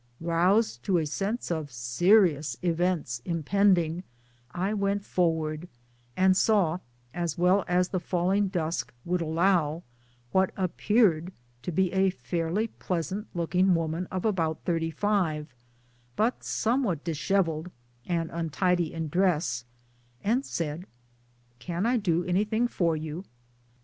Roused to a sense of serious events impending, I went forward, and saw, as well as the falling dusk would 1 allow, what appeared to be a fairly pleasant looking woman of about thirty five, but somewhat dishevelled and untidy in dress ; and said 'Can I do anything for you?"